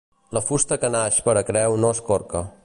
La fusta que naix per a creu no es corca.